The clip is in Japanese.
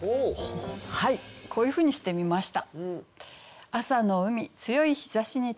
はいこういうふうにしてみました。